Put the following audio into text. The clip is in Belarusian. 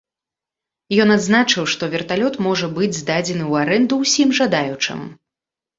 Ён адзначыў, што верталёт можа быць здадзены ў арэнду ўсім жадаючым.